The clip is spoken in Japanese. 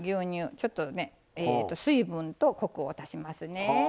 ちょっとね水分とコクを足しますね。